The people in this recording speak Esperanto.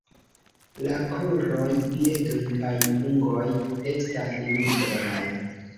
La kruroj, piedoj kaj ungoj estas nigraj.